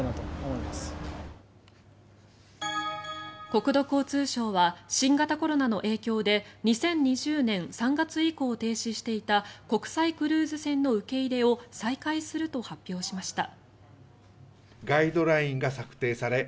国土交通省は新型コロナの影響で２０２０年３月以降停止していた国際クルーズ船の受け入れを再開すると発表しました。